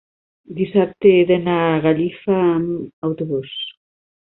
dissabte he d'anar a Gallifa amb autobús.